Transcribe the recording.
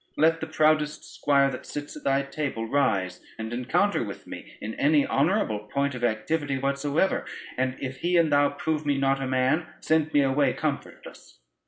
Let the proudest squire that sits at thy table rise and encounter with me in any honorable point of activity whatsoever, and if he and thou prove me not a man, send me away comfortless.